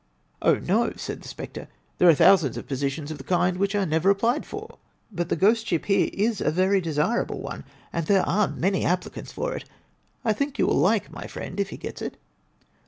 "Oh, no!" said the spectre. "There are thousands of positions of the kind which are never applied for. But the ghostship here is 36 THE TECHNIQUE OF THE MYSTERY STORY a very desirable one, and there are many applicants for it. I think you will like my friend, if he gets it."